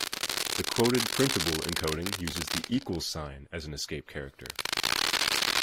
The quoted-printable encoding uses the equals sign as an escape character.